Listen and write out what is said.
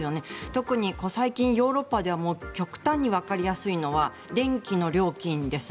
特に最近、ヨーロッパでは極端にわかりやすいのは電気の料金です。